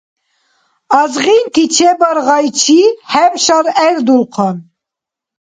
Азгъинти чебаргъайчи, хӀеб шалгӀердулхъан.